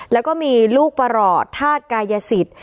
แล้วก็มีลูกปรดทาธิกายสิทธิ์